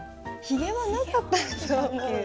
ひげはなかったと思う。